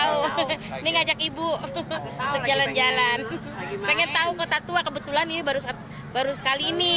ini ngajak ibu untuk jalan jalan pengen tahu kota tua kebetulan ini baru satu baru sekali ini